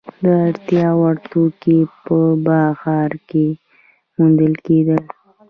د اړتیا وړ توکي په ب ښار کې موندل کیدل.